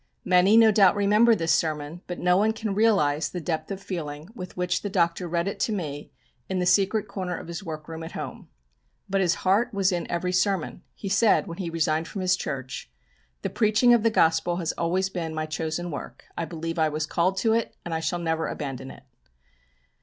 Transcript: Many no doubt remember this sermon, but no one can realise the depths of feeling with which the Doctor read it to me in the secret corner of his workroom at home. But his heart was in every sermon. He said when he resigned from his church: "The preaching of the Gospel has always been my chosen work, I believe I was called to it, and I shall never abandon it."